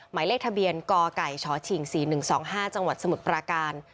หมายเลขทะเบียนกไก่ชฉิง๔๑๒๕จังหวัดสมุทรปราการ